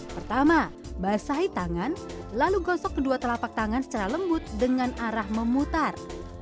pertama basahi tangan lalu gosok kedua telapak tangan secara lembut dengan arah memutar